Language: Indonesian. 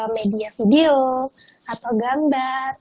media video atau gambar